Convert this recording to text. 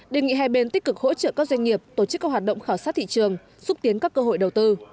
đề nghị hai bên tích cực hỗ trợ các doanh nghiệp tổ chức các hoạt động khảo sát thị trường xúc tiến các cơ hội đầu tư